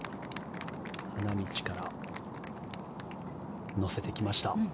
花道から乗せてきました。